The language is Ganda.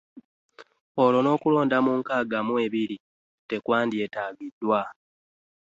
Olwo n’okulonda mu nkaaga mu ebiri tekwandyetaagiddwa.